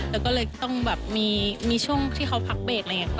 แล้วก็เลยต้องแบบมีช่วงที่เขาพักเบรกอะไรอย่างนี้